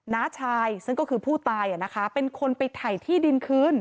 น้าชายซึ่งก็คือผู้ตายอะนะคะเป็นคนไปไถ่ที่ดินคืน